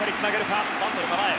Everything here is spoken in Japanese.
バントの構え。